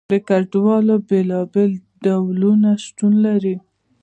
د کدوانو بیلابیل ډولونه شتون لري.